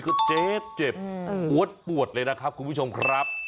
ก็เจ็บเจ็บอวดป่วนอ่ะเลยนะครับคุณผู้ชมครับ